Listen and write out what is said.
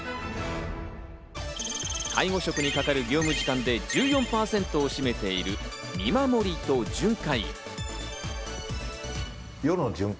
介護職にかかる業務時間で、１４％を占めている見守りと巡回。